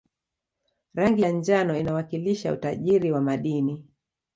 rangi ya njano inawakilisha utajiri wa madini